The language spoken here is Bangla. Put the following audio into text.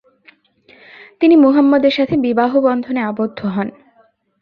তিনি মুহাম্মাদের সাথে বিবাহ বন্ধনে আবদ্ধ হন।